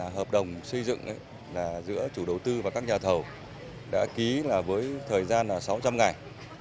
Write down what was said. hợp đồng xây dựng là giữa chủ đầu tư và các nhà thầu đã ký với thời gian là sáu trăm linh ngày